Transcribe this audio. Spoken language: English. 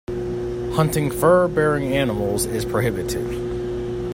Hunting furbearing animals is prohibited.